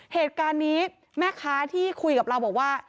เหตุการณ์นี้แม่ค้าที่คุยกับเราบอกว่า